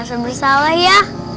jangan bersalah ya